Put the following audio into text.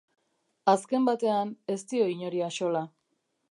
Azken batean, ez dio inori axola.